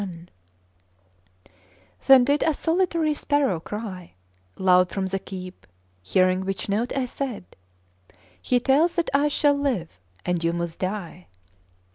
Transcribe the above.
Then did a solitary sparrow cry Loud from the keep; hearing which note, I said: "He tells that I shall live and you must die!"